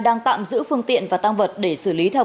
đang tạm giữ phương tiện và tăng vật để xử lý theo